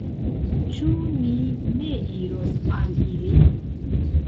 Ĉu ni ne iros al ili?